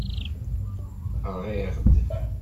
Rɣiɣ-d.